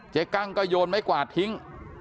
กั้งก็โยนไม้กวาดทิ้ง